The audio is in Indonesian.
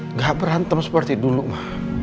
nggak berantem seperti dulu mah